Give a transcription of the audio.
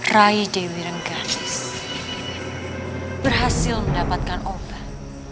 rai dewi rengganis berhasil mendapatkan obat